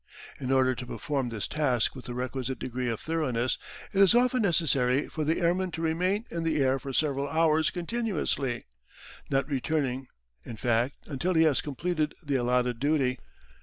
In order to perform this task with the requisite degree of thoroughness it is often necessary for the airman to remain in the air for several hours continuously, not returning, in fact, until he has completed the allotted duty.